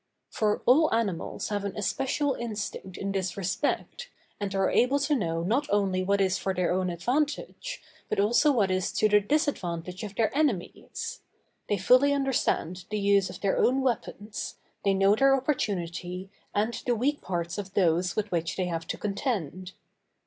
For all animals have an especial instinct in this respect, and are able to know not only what is for their own advantage, but also what is to the disadvantage of their enemies; they fully understand the use of their own weapons, they know their opportunity, and the weak parts of those with which they have to contend.